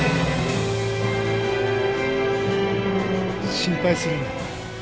心配するな。